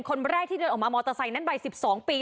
คนแรกที่เดินออกมามอเตอร์ไซค์นั้นวัย๑๒ปี